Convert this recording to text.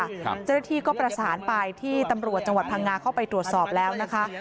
เจ้าหน้าที่ก็ประสานไปที่ตำรวจจังหวัดพังงาเข้าไปตรวจสอบแล้วนะคะ